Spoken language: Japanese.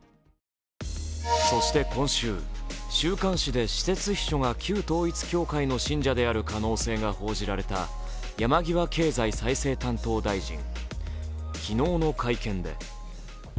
そして今週、週刊誌で私設秘書が旧統一教会の信者である可能性が報じられた山際経済再生担当大臣。